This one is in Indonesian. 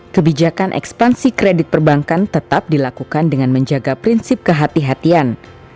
kebijakan ekspansi kredit perbankan tetap dilakukan dengan menjaga prinsip kehatian